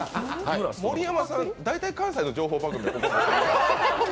盛山さん、大体関西の情報番組。